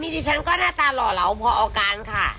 ดิฉันก็หน้าตาหล่อเหลาพอเอากันค่ะ